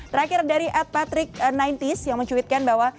terakhir dari ad patrick sembilan puluh yang mencuitkan bahwa